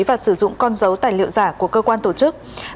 và sử dụng con dấu tài liệu giả của cơ quan tổ chức